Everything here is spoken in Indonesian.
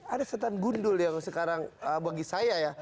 ada setan gundul yang sekarang bagi saya ya